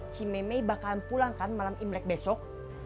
si memei bakalan pulang kan malam imlek besok